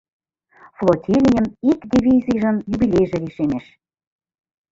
Флотилийын ик дивизийжын юбилейже лишемеш.